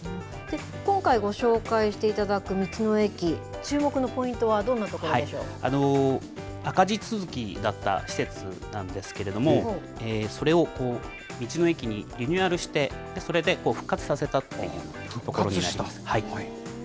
今回ご紹介していただく道の駅、注目のポイントはどんなとこ赤字続きだった施設なんですけれども、それを道の駅にリニューアルして、それで復活させたっていうところになります。